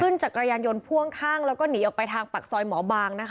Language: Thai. ขึ้นจากกระยานยนต์พ่วงข้างแล้วก็หนีออกไปทางปากซอยหมอบาง